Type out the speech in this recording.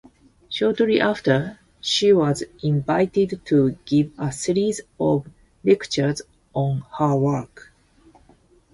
Shortly after, she was invited to give a series of lectures on her work.